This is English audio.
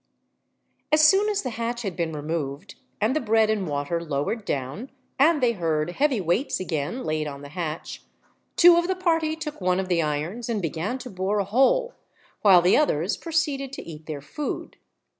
As soon as the hatch had been removed, and the bread and water lowered down, and they heard heavy weights again laid on the hatch, two of the party took one of the irons and began to bore a hole, while the others proceeded to eat their food.